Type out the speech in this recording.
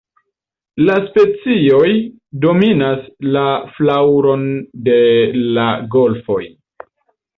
La specioj dominas la flaŭron de la golfoj.